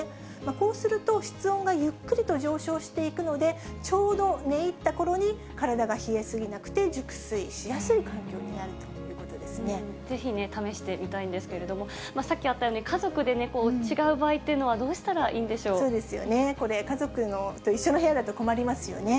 こうすると、室温がゆっくりと上昇していくので、ちょうど寝入ったころに体が冷えすぎなくて熟睡しやすい環境になぜひ試してみたいんですけれども、さっきあったように、家族で違う場合というのは、そうですよね、これ、家族と一緒の部屋だと困りますよね。